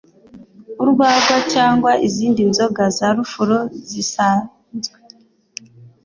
urwagwa cyangwa izindi nzoga za rufuro zisanzwe